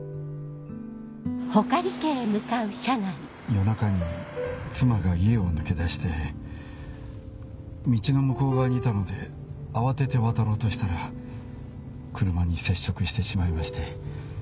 夜中に妻が家を抜け出して道の向こう側にいたので慌てて渡ろうとしたら車に接触してしまいまして。